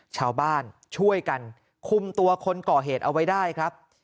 ชาวบ้านช่วยกันคุมตัวคนก่อเหตุเอาไว้ได้ครับ